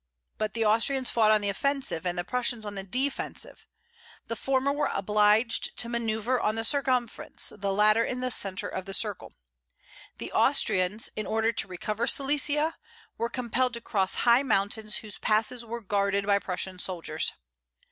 But the Austrians fought on the offensive, and the Prussians on the defensive. The former were obliged to manoeuvre on the circumference, the latter in the centre of the circle. The Austrians, in order to recover Silesia, were compelled to cross high mountains whose passes were guarded by Prussian soldiers.